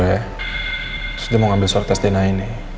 terus dia mau ngambil surat tes dina ini